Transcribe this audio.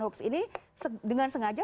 hoax ini dengan sengaja